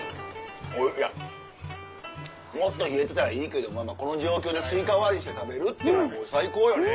おいいやもっと冷えてたらいいけどこの状況でスイカ割りして食べるっていうの最高よね。